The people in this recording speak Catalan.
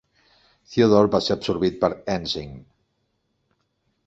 Theodore va ser absorbit per Ensign.